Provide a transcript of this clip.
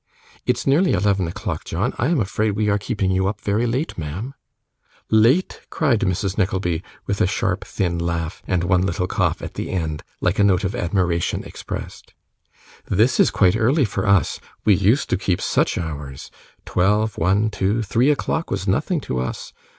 'It's nearly eleven o'clock, John. I am afraid we are keeping you up very late, ma'am.' 'Late!' cried Mrs. Nickleby, with a sharp thin laugh, and one little cough at the end, like a note of admiration expressed. 'This is quite early for us. We used to keep such hours! Twelve, one, two, three o'clock was nothing to us.